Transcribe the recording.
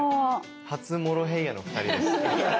初モロヘイヤの２人です。